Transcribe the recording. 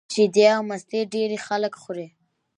شیدې او مستې ډېری خلک خوري